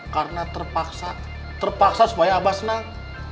karena terpaksa terpaksa supaya abah senang